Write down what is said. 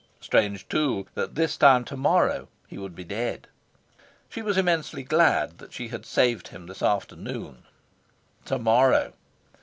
Strange, too, that this time to morrow he would be dead! She was immensely glad she had saved him this afternoon. To morrow!